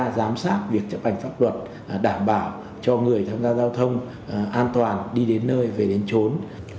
kiểm tra giám sát việc chấp nhận pháp luật đảm bảo cho người tham gia giao thông an toàn đi đến nơi về đến trốn